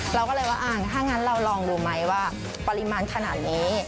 เราก็เลยว่าถ้างั้นเราลองดูไหมว่าปริมาณขนาดนี้